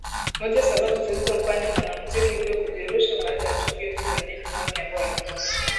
moja sababu zilizomfanya mwanamuziki huyo kujirusha Baada ya tukio hilo wenyeji wake ambao walikuwa